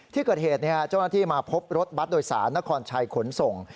ที่เกิดเหตุเจ้าหน้าที่มาพบรถบัตรโดยสารนครชัยขนส่ง